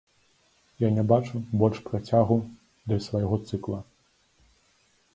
Я не бачу больш працягу для свайго цыкла.